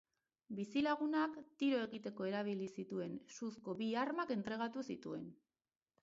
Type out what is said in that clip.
Bizilagunak, tiro egiteko erabili zituen suzko bi armak entregatu zituen.